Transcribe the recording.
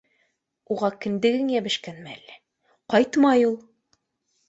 Уға кендегең йәбешкәнме әллә? Ҡайтмай ул!